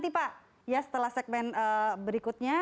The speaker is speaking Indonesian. nah ini dijawabin nanti pak ya setelah segmen berikutnya